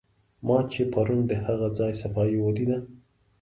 ما چې پرون د هغه ځای صفایي ولیده.